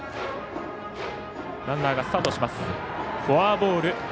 フォアボール。